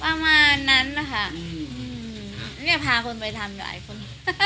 ประมาณนั้นนะคะเนี่ยพาคนไปทำหลายคน